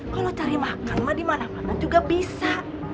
kalau cari makan mah dimana mana juga bisa